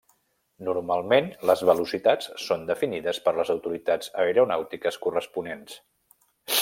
Normalment, les velocitats són definides per les autoritats aeronàutiques corresponents.